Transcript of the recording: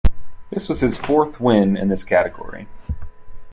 This was his fourth win in this category.